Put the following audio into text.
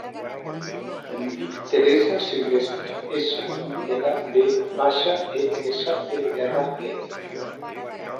Em dic Teresa Silvestre: essa, i, ela, ve baixa, e, essa, te, erra, e.